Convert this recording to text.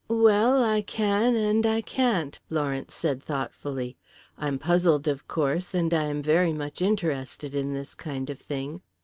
"Well, I can and I can't," Lawrence said thoughtfully. "I'm puzzled, of course, and I am very much interested in this kind of thing.